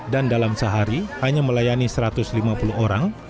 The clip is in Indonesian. dan dalam sehari hanya melayani satu ratus lima puluh orang